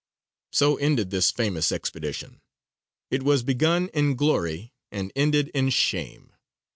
So ended this famous expedition. It was begun in glory, and ended in shame.